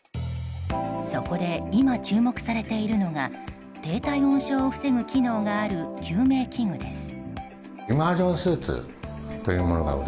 そこで今、注目されているのが低体温症を防ぐ機能がある救命器具です。